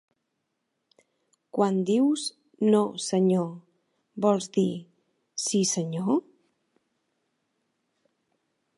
Quan dius "No, senyor", vols dir "Sí, senyor"?